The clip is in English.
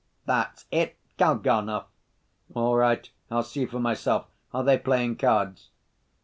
"That's it, Kalganov!" "All right. I'll see for myself. Are they playing cards?"